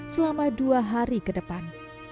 selama dua hari ke depan